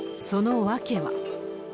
その訳は。